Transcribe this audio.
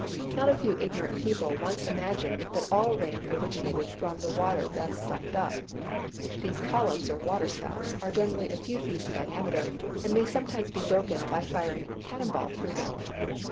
Not a few ignorant people once imagined that all rain originated from the water thus sucked up. These columns, or "water spouts," are generally a few feet in diameter, and may sometimes be broken by firing a cannon ball through them.